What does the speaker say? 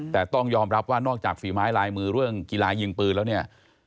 แต่ต้องยอมรับว่านอกจากฝีไม้ลายมือเรื่องกีฬายิงปืนแล้วเนี่ย